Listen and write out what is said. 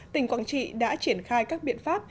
tỉnh quảng trị đã triển khai các biện pháp